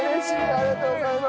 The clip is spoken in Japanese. ありがとうございます。